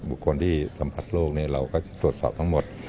บุคคลที่สัมผัสโลกเราก็จะตรวจสอบทั้งหมด